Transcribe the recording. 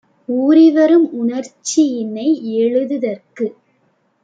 ஊறிவரும் உணர்ச்சியினை எழுது தற்கு